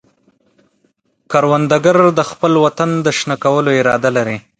کروندګر د خپل وطن د شنه کولو اراده لري